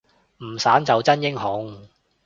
唔散就真英雄